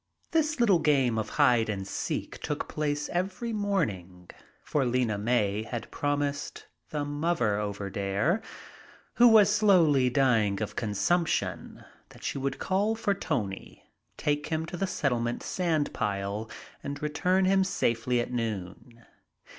This little game of hide and seek took place every morning, for Lena May had promised the "muvver over dere," who was slowly dying of consumption, that she would call for Tony, take him to the Settlement sandpile and return him safely at noon.